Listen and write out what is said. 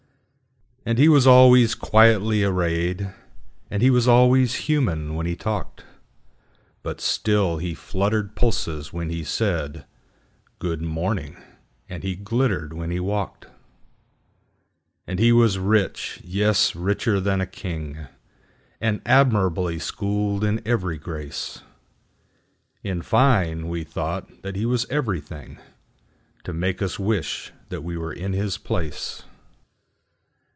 And he was always quietly arrayed, And he was always human when he talked; But still he fluttered pulses when he said,"Good morning," and he glittered when he walked. And he was rich,—yes, richer than a king,—And admirably schooled in every grace:In fine, we thought that he was everythingTo make us wish that we were in his place.